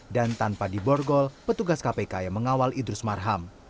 dan tanpa diborgol petugas kpk yang mengawal idrus marham